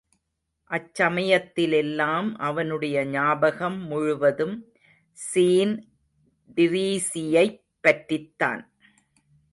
அச்சமயத்திலெல்லாம் அவனுடைய ஞாபகம் முழுவதும் ஸீன் டிரீஸியைப் பற்றித்தான்.